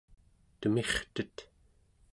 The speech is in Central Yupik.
temirtet